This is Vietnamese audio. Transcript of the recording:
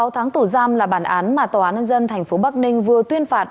ba mươi sáu tháng tổ giam là bản án mà tòa an dân tp bắc ninh vừa tuyên phạt